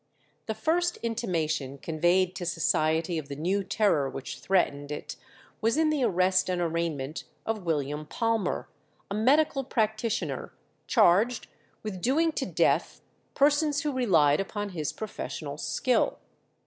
The first intimation conveyed to society of the new terror which threatened it was in the arrest and arraignment of William Palmer, a medical practitioner, charged with doing to death persons who relied upon his professional skill.